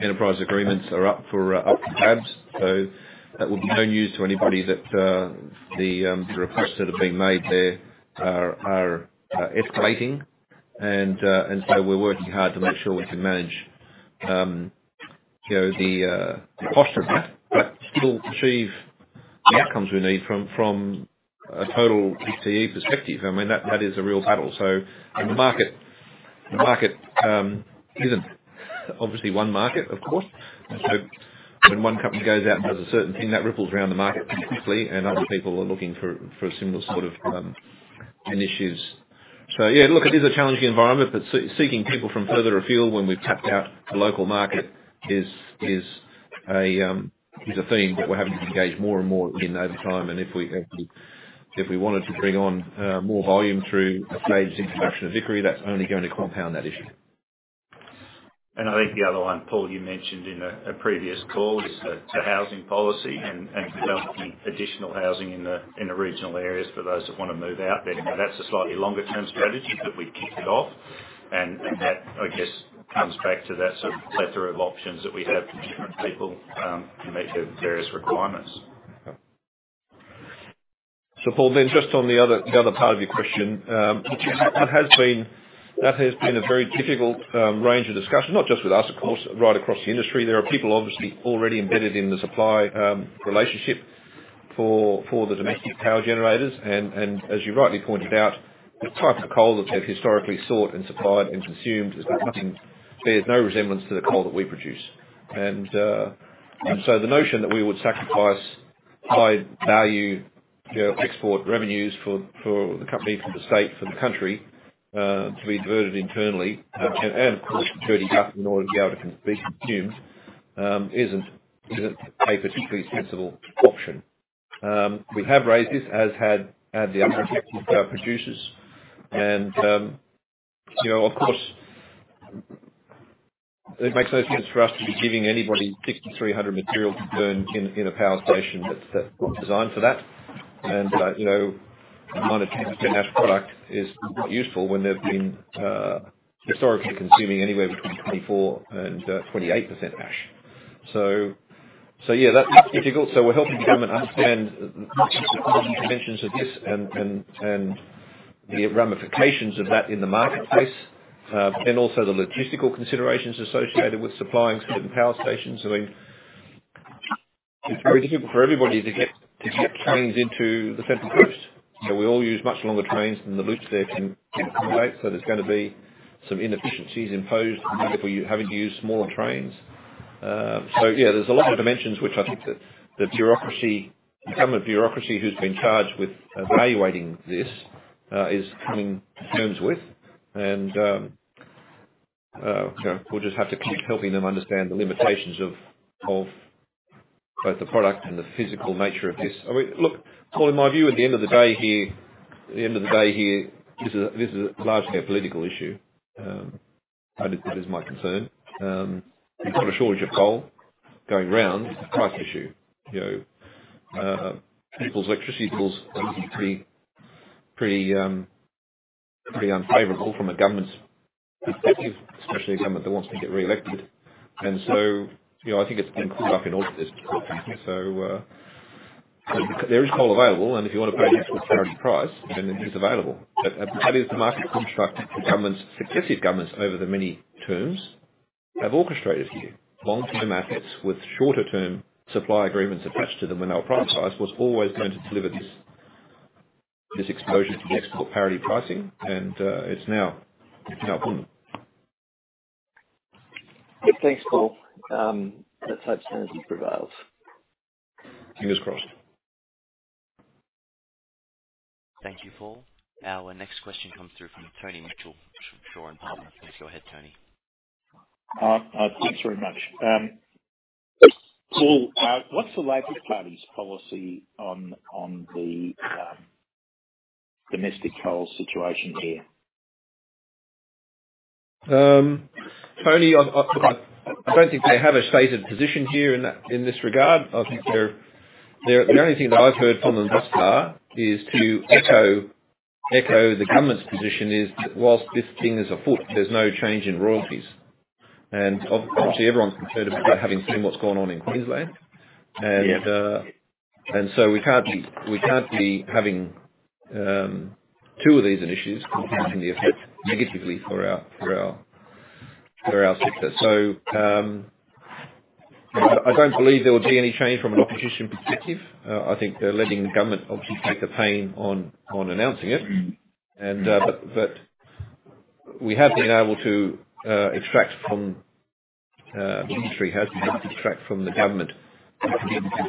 S2: enterprise agreements are up for up for tabs. That will be no news to anybody that the requests that have been made there are escalating. We're working hard to make sure we can manage, you know, the cost of that, but still achieve the outcomes we need from a total BCE perspective. I mean, that is a real battle. The market isn't obviously one market, of course. When one company goes out and does a certain thing, that ripples around the market pretty quickly, and other people are looking for similar sort of initiatives. Yeah, look, it is a challenging environment, but seeking people from further afield when we've tapped out the local market is a theme that we're having to engage more and more in over time. If we wanted to bring on more volume through a staged introduction to Vickery, that's only going to compound that issue.
S6: I think the other one, Paul, you mentioned in a previous call is the housing policy and developing additional housing in the regional areas for those that wanna move out there. You know, that's a slightly longer term strategy, but we've kicked it off and that, I guess, comes back to that sort of plethora of options that we have to different people to meet their various requirements.
S2: Paul, just on the other part of your question, that has been a very difficult range of discussion, not just with us, of course, right across the industry. There are people obviously already embedded in the supply relationship for the domestic power generators. As you rightly pointed out, the types of coal that they've historically sought and supplied and consumed bears no resemblance to the coal that we produce. The notion that we would sacrifice high value, you know, export revenues for the company, for the state, for the country, to be diverted internally and, of course, dirty up in order to be able to be consumed, isn't a particularly sensible option. We have raised this, as had the other effective power producers. You know, of course, it makes no sense for us to be giving anybody 6,300 material to burn in a power station that's not designed for that. You know, a 9%-10% ash product is not useful when they've been historically consuming anywhere between 24% and 28% ash. Yeah, that's difficult. We're helping the government understand the dimensions of this and the ramifications of that in the marketplace, and also the logistical considerations associated with supplying certain power stations. I mean, it's very difficult for everybody to get trains into the Central Coast. We all use much longer trains than the loops there can accommodate. There's gonna be some inefficiencies imposed on people having to use smaller trains. Yeah, there's a lot of dimensions which I think the bureaucracy, the government bureaucracy who's been charged with evaluating this, is coming to terms with. We'll just have to keep helping them understand the limitations of both the product and the physical nature of this. I mean, look, Paul, in my view, at the end of the day here, this is largely a political issue. It is my concern. We've got a shortage of coal going round. It's a price issue. You know, people's electricity bills are going to be pretty unfavorable from a government's perspective, especially a government that wants to get reelected. You know, I think it's been caught up in all this. There is coal available, and if you wanna pay export parity price, then it is available. That is the market construct that governments, successive governments over the many terms have orchestrated here. Long-term assets with shorter term supply agreements attached to them and our price rise was always going to deliver this exposure to export parity pricing. It's now come.
S5: Thanks, Paul. Let's hope sanity prevails.
S2: Fingers crossed.
S1: Thank you, Paul. Our next question comes through from Tony Mitchell from Shaw and Partners. Please go ahead, Tony.
S7: Thanks very much. Paul, what's the Labor Party's policy on the domestic coal situation here?
S2: Tony, I don't think they have a stated position here in that, in this regard. I think they're. The only thing that I've heard from them thus far is to echo the government's position, is that whilst this thing is afoot, there's no change in royalties. Obviously, everyone's concerned about having seen what's gone on in Queensland.
S7: Yeah.
S2: We can't be having two of these initiatives compounding the effect negatively for our sector. I don't believe there will be any change from an opposition perspective. I think they're letting the government obviously take the pain on announcing it.
S7: Mm-hmm.
S2: But the industry has been able to extract from the government,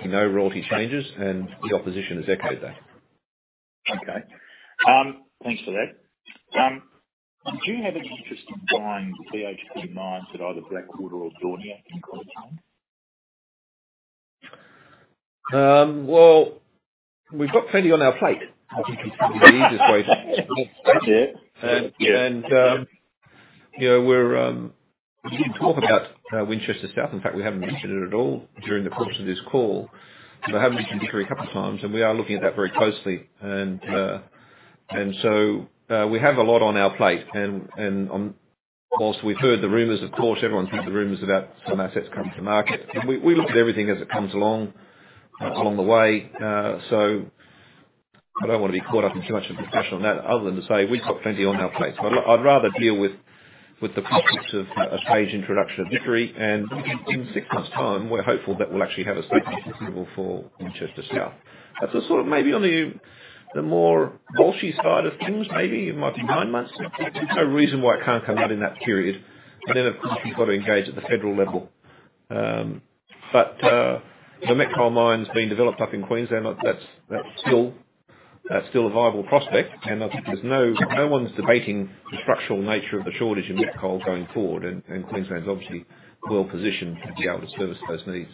S2: you know, royalty changes, and the opposition has echoed that.
S7: Okay. Thanks for that. Do you have any interest in buying the BHP mines at either Blackwater or Daunia in Queensland?
S2: Well, we've got plenty on our plate if you believe this way.
S7: That's it. Yeah.
S2: You know, we're, we didn't talk about Winchester South. In fact, we haven't mentioned it at all during the course of this call. We have mentioned it a couple times, and we are looking at that very closely. We have a lot on our plate and on... Whilst we've heard the rumors, of course everyone's heard the rumors about some assets coming to market. We look at everything as it comes along the way. I don't wanna be caught up in too much of a discussion on that other than to say we've got plenty on our plate. I'd rather deal with the prospects of a staged introduction of Vickery, and in six months time, we're hopeful that we'll actually have a stage gate for Winchester South. Sort of maybe on the more bulky side of things, maybe in months to nine months. There's no reason why it can't come out in that period. Of course, you've got to engage at the federal level. The met coal mines being developed up in Queensland, that's still a viable prospect. There's no one's debating the structural nature of the shortage in met coal going forward. Queensland is obviously well-positioned to be able to service those needs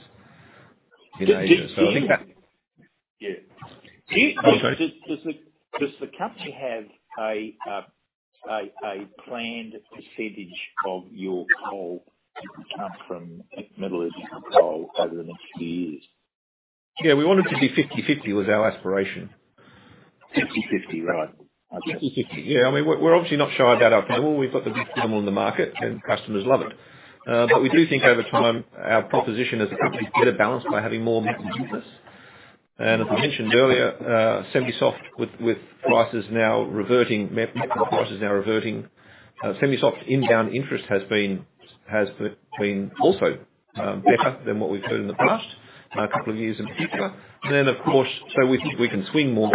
S2: in Asia. I think that.
S7: Yeah.
S2: Sorry.
S7: Does the company have a planned percentage of your coal to come from metallurgical coal over the next few years?
S2: Yeah. We want it to be 50/50 was our aspiration.
S7: 50/50. Right. Okay.
S2: 50/50. Yeah. I mean, we're obviously not shy about our coal. We've got the best coal in the market, and customers love it. We do think over time our proposition as a company is better balanced by having more met in business. As I mentioned earlier, semi-soft with prices now reverting, met coal prices now reverting, semi-soft inbound interest has been also better than what we've seen in the past two years in the future. Of course, we think we can swing more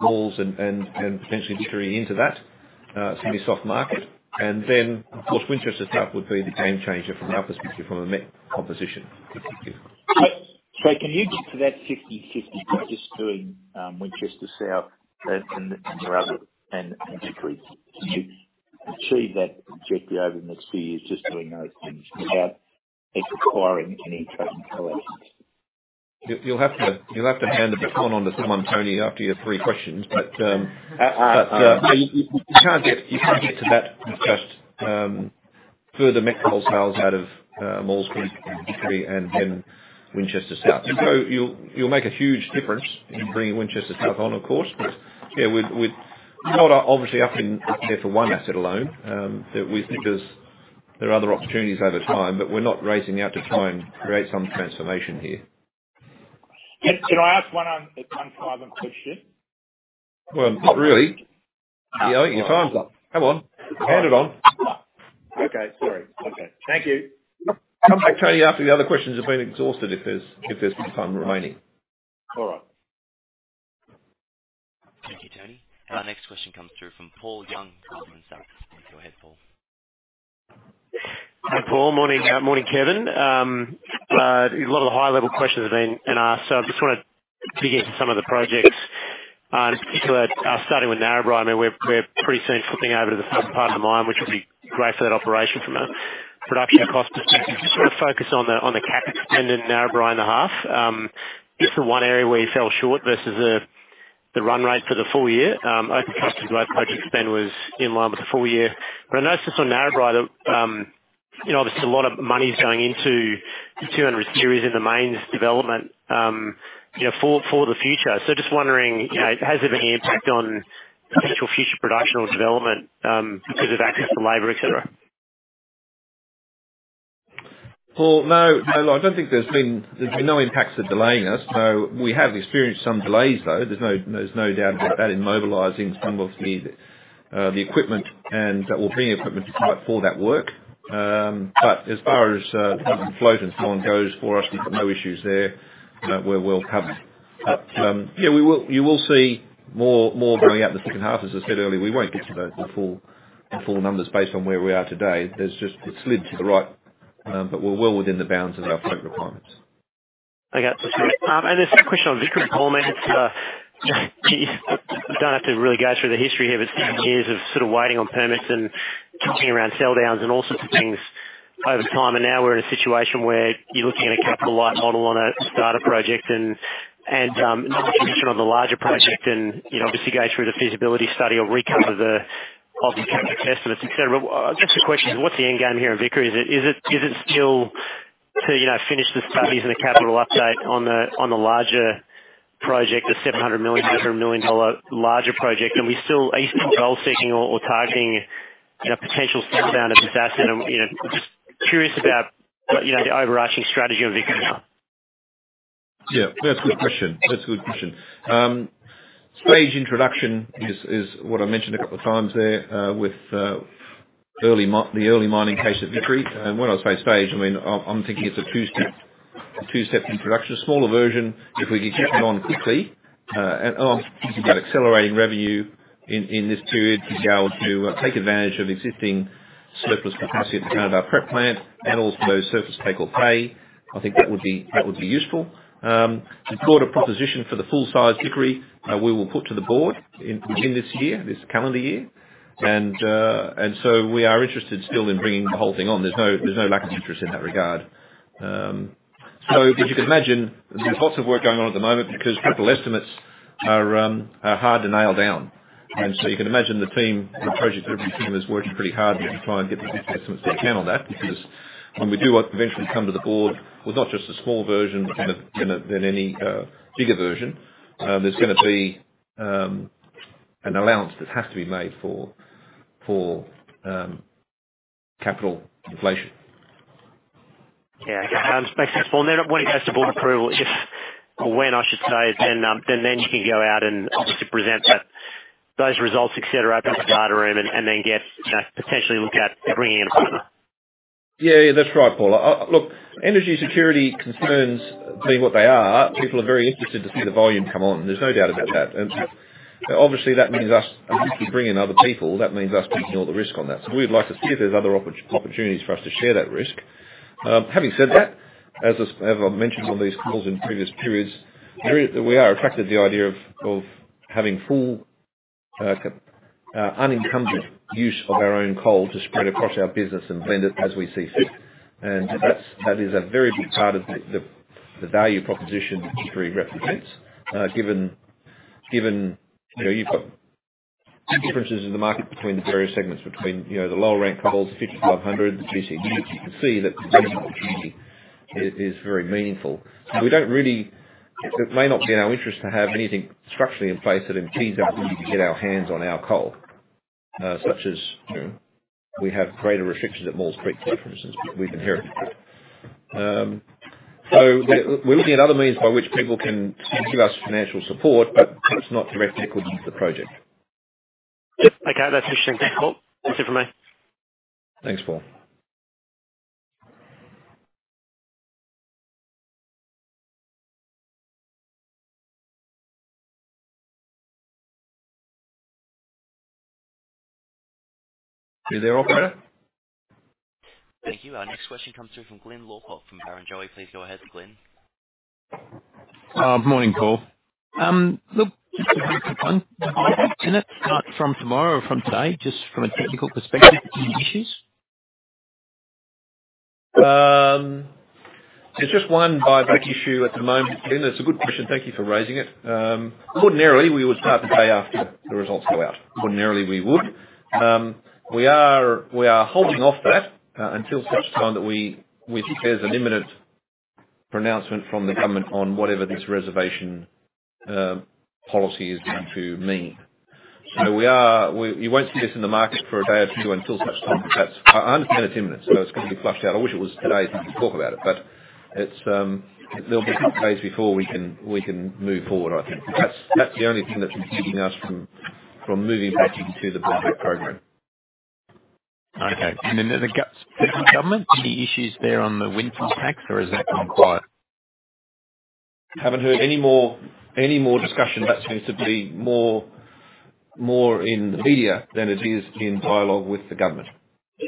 S2: Maules Creek and potentially Tarrawonga into that semi-soft market. Of course, Winchester South would be the game changer from our perspective from a met composition perspective.
S7: Can you get to that 50/50 just doing, Winchester South and your other and decrease? Can you achieve that objective over the next few years just doing those things without acquiring any trading collections?
S2: You'll have to hand the baton on to someone, Tony, after your three questions. You can't get to that just further met coal sales out of Maules Creek and Vickery and then Winchester South. You'll make a huge difference in bringing Winchester South on, of course. Yeah, we're not obviously up in there for one asset alone, that we think there are other opportunities over time, but we're not racing out to try and create some transformation here.
S7: Can I ask one final question?
S2: Well, not really. You know, your time's up. Come on, hand it on.
S7: Okay. Sorry. Okay. Thank you.
S2: Come back, Tony, after the other questions have been exhausted if there's, if there's some time remaining.
S7: All right.
S1: Thank you, Tony. Our next question comes through from Paul Young, Goldman Sachs. Go ahead, Paul.
S8: Paul. Morning, Kevin. A lot of the high level questions have been asked, so I just wanna dig into some of the projects. In particular, starting with Narrabri. I mean, we're pretty soon flipping over to the third part of the mine, which will be great for that operation from a production and cost perspective. Just wanna focus on the CapEx spend in Narrabri in the half. Just the one area where you fell short versus the run rate for the full year. Open cost and grade project spend was in line with the full year. I noticed just on Narrabri that, you know, obviously a lot of money's going into the 200 series in the mains development, you know, for the future. Just wondering, you know, has it any impact on potential future production or development, because of access to labor, et cetera?
S2: Paul, no. No, I don't think there's been no impacts that are delaying us. We have experienced some delays though. There's no doubt about that in mobilizing some of the equipment and that we'll bring equipment to site for that work. But as far as the float and so on goes for us, we've got no issues there. We're well covered. Yeah, you will see more going out in the second half. As I said earlier, we won't get to the full numbers based on where we are today. There's just, it's slid to the right, but we're well within the bounds of our project requirements.
S8: Okay. There's a question on Vickery, Paul. I mean, it's, you don't have to really go through the history here, but it's been years of sort of waiting on permits and talking around sell downs and all sorts of things over time. Now we're in a situation where you're looking at a capital light model on a starter project and, another transition of the larger project and, you know, obviously go through the feasibility study or recover the
S2: Mm-hmm.
S8: Of the capital test and et cetera. I've just a question. What's the end game here in Vickery? Is it still to, you know, finish the studies and the capital update on the, on the larger project, the 700 million dollar, over AUD 1 million larger project? Are we still aim, goal seeking or targeting, you know, potential sell down of this asset? You know, I'm just curious about, you know, the overarching strategy of Vickery.
S2: Yeah, that's a good question. That's a good question. Staged introduction is what I mentioned a couple of times there, with the early mining case at Vickery. When I say staged, I mean, I'm thinking it's a two-step introduction. A smaller version, if we can get that on quickly, and obviously we've got accelerating revenue in this period to be able to take advantage of existing surplus capacity at the Gunnedah Prep plant and also those surface take or pay. I think that would be useful. The board of proposition for the full size degree, we will put to the board within this year, this calendar year. So we are interested still in bringing the whole thing on. There's no lack of interest in that regard. As you can imagine, there's lots of work going on at the moment because capital estimates are hard to nail down. You can imagine the team, the project delivery team is working pretty hard to try and get the best estimates they can on that because when we do eventually come to the board with not just a small version, but in any bigger version, there's gonna be an allowance that has to be made for capital inflation.
S8: Yeah. Makes sense, Paul. When it goes to board approval, if or when I should say, then you can go out and obviously present that, those results et cetera up in the data room and then get, you know, potentially look at bringing in a partner.
S2: Yeah, that's right, Paul. Look, energy security concerns being what they are, people are very interested to see the volume come on. There's no doubt about that. Obviously that means us, if we bring in other people, that means us taking all the risk on that. We would like to see if there's other opportunities for us to share that risk. Having said that, as I've mentioned on these calls in previous periods, we are attracted to the idea of having full, unencumbered use of our own coal to spread across our business and blend it as we see fit. That's, that is a very big part of the value proposition that Vickery represents given, you know, you've got differences in the market between the various segments between, you know, the lower rank coals, the 50-500, the GCV, you can see that the potential opportunity is very meaningful. We don't really. It may not be in our interest to have anything structurally in place that impedes our ability to get our hands on our coal, such as, you know, we have greater restrictions at Maules Creek, for instance, we've inherited. We're looking at other means by which people can give us financial support, but perhaps not direct equity in the project.
S8: Okay. That's interesting. Thanks, Paul. That's it from me.
S2: Thanks, Paul. You there, operator?
S1: Thank you. Our next question comes through from Glyn Lawcock from Barrenjoey. Please go ahead, Glyn.
S9: Morning, Paul. Look, just a quick one. Are you gonna start from tomorrow or from today? Just from a technical perspective, any issues?
S2: There's just one buyback issue at the moment, Glyn. It's a good question. Thank you for raising it. Ordinarily, we would start the day after the results go out. Ordinarily, we would. We are holding off that until such time that we, there's an imminent pronouncement from the government on whatever this reservation policy is going to mean. We, you won't see us in the market for a day or two until such time. That's, I understand it's imminent, so it's got to be flushed out. I wish it was today so we could talk about it. It's, there'll be some days before we can move forward, I think. That's the only thing that's keeping us from moving back into the buyback program.
S9: Okay. Then the government, any issues there on the windfall tax or has that been quiet?
S2: Haven't heard any more discussion. That seems to be more in the media than it is in dialogue with the government.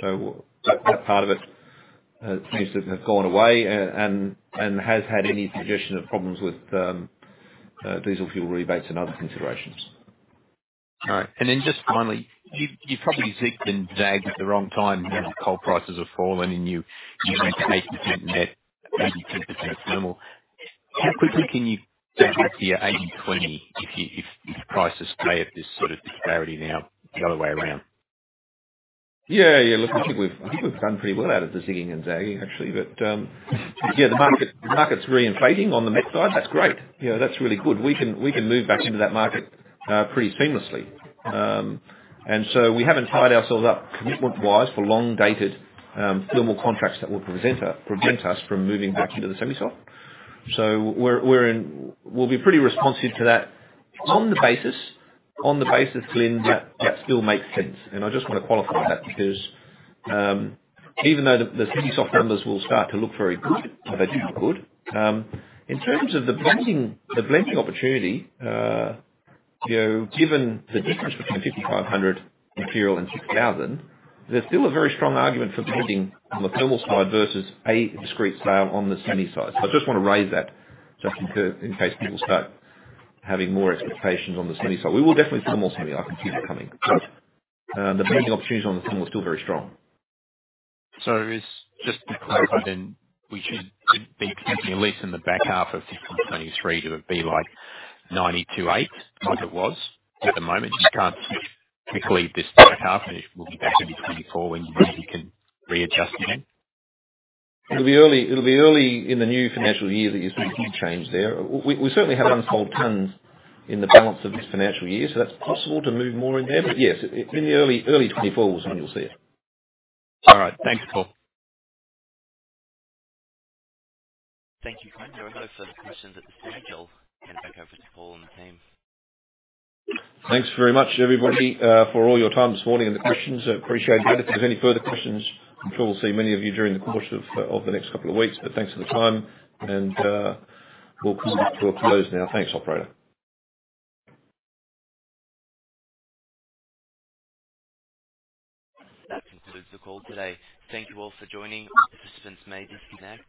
S2: That part of it seems to have gone away and has had any suggestion of problems with diesel fuel rebates and other considerations.
S9: All right. Just finally, you probably zigged and zagged at the wrong time. You know, coal prices have fallen and you went 80% met, 20% thermal. How quickly can you get back to your 80/20 if you prices stay at this sort of disparity now the other way around?
S2: Yeah, yeah. Look, I think we've done pretty well out of the zigging and zagging, actually. Yeah, the market's reinflating on the met side. That's great. You know, that's really good. We can move back into that market pretty seamlessly. We haven't tied ourselves up commitment-wise for long-dated thermal contracts that will present us from moving back into the semi-soft. We'll be pretty responsive to that on the basis, Glyn, that still makes sense. I just wanna qualify that because, even though the semi-soft numbers will start to look very good, if they're not good, in terms of the blending, the blending opportunity, you know, given the difference between 5,500 imperial and 6,000, there's still a very strong argument for blending on the thermal side versus a discrete sale on the semi side. I just wanna raise that just in case, in case people start having more expectations on the semi side. We will definitely thermal semi. I can see that coming. The blending opportunities on the thermal are still very strong.
S9: Just to clarify then, we should be expecting at least in the back half of 2023 to be like 90-8, like it was at the moment. Just can't quickly this back half. It will be back in 2024 when you can readjust again.
S2: It'll be early in the new financial year that you'll see a change there. We certainly have unsold tons in the balance of this financial year, so that's possible to move more in there. Yes, in the early 2024s when you'll see it.
S9: All right. Thanks, Paul.
S1: Thank you. No further questions at this stage. I'll hand back over to Paul and the team.
S2: Thanks very much, everybody, for all your time this morning and the questions. I appreciate that. If there's any further questions, I'm sure we'll see many of you during the course of the next couple of weeks. Thanks for the time and, we'll come to a close now. Thanks, operator.
S1: That concludes the call today. Thank you all for joining. Participants may disconnect.